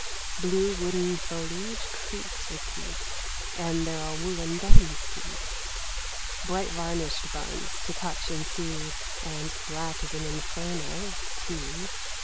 Blue wooden foliage creaks with heat And there are woollen buns to eat — Bright varnished buns to touch and see And, black as an Inferno, tea